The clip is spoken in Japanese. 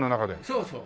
そうそう。